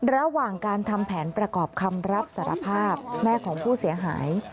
ระหว่างการทำแผนประกอบคำรับสารภาพแม่ของผู้เสียหาย